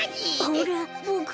ほらボク